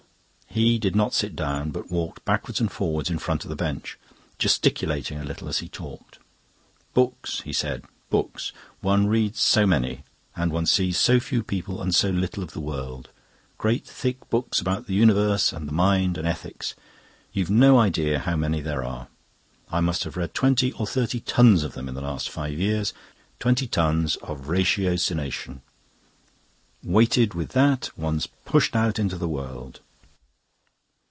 He did not sit down, but walked backwards and forwards in front of the bench, gesticulating a little as he talked. "Books," he said "books. One reads so many, and one sees so few people and so little of the world. Great thick books about the universe and the mind and ethics. You've no idea how many there are. I must have read twenty or thirty tons of them in the last five years. Twenty tons of ratiocination. Weighted with that, one's pushed out into the world."